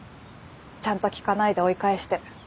ちゃんと聞かないで追い返して。